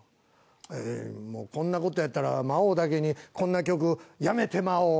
「もうこんな事やったら『魔王』だけにこんな曲やめてまおう」